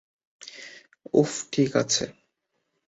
উহ, ঠিক আছে।